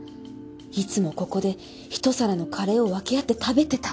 いつもここで一皿のカレーを分け合って食べてた。